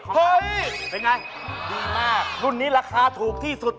เฮ้ยเป็นไงดีมากรุ่นนี้ราคาถูกที่สุด